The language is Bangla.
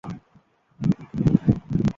একটি কক্ষ পার হয়ে আরেকটি কক্ষে যান।